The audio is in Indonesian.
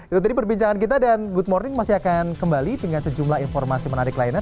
itu tadi perbincangan kita dan good morning masih akan kembali dengan sejumlah informasi menarik lainnya